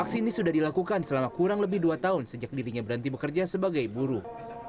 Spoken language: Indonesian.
aksi ini sudah dilakukan selama kurang lebih dua tahun sejak dirinya berhenti bekerja sebagai buruh